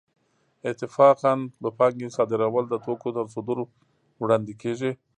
اتفاقاً د پانګې صادرول د توکو تر صدور وړاندې کېږي